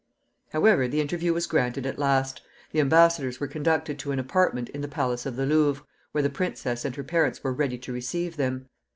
However, the interview was granted at last. The embassadors were conducted to an apartment in the palace of the Louvre, where the princess and her parents were ready to receive them.